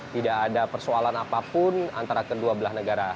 tidak ada persoalan apapun antara kedua belah negara